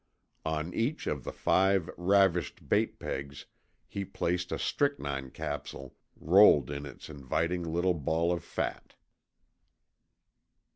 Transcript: On each of the five ravished bait pegs he placed a strychnine capsule rolled in its inviting little ball of fat.